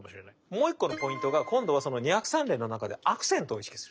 もう一個のポイントが今度はその２拍３連のなかでアクセントを意識する。